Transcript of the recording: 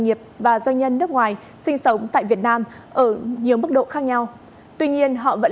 nghiệp và doanh nhân nước ngoài sinh sống tại việt nam ở nhiều mức độ khác nhau tuy nhiên họ vẫn